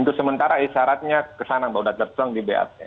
untuk sementara isyaratnya kesana sudah tertuang di bap